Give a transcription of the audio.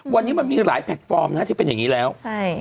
วันนี้มันมีหลายแพลตฟอร์มนะฮะที่เป็นอย่างนี้แล้วใช่